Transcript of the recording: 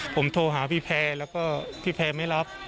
ผมโทรหาพี่แพรแล้วก็พี่แพรไม่รับ